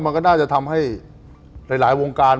มันก็น่าจะทำให้หลายวงการ